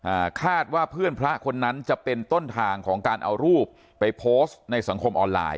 อ่าคาดว่าเพื่อนพระคนนั้นจะเป็นต้นทางของการเอารูปไปโพสต์ในสังคมออนไลน์